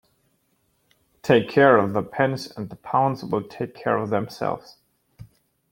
Take care of the pence and the pounds will take care of themselves.